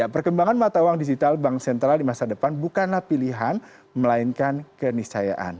perkembangan mata uang digital bank sentral di masa depan bukanlah pilihan melainkan kenisayaan